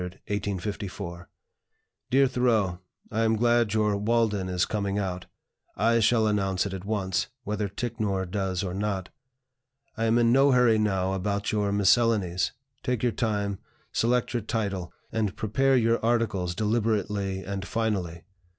_ "DEAR THOREAU, I am glad your 'Walden' is coming out. I shall announce it at once, whether Ticknor does or not. I am in no hurry now about your 'Miscellanies;' take your time, select your title, and prepare your articles deliberately and finally.